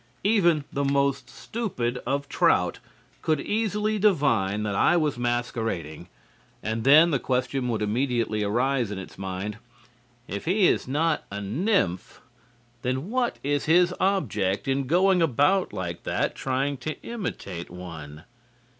Even the most stupid of trout could easily divine that I was masquerading, and then the question would immediately arise in its mind: "If he is not a nymph, then what is his object in going about like that trying to imitate one?